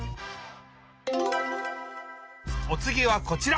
おつぎはこちら！